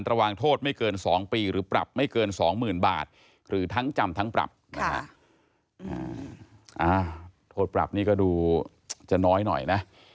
ระวังโทษไม่เกิน๒ปีหรือปรับไม่เกิน๒๐๐๐บาทหรือทั้งจำทั้งปรับโทษปรับนี่ก็ดูจะน้อยหน่อยนะ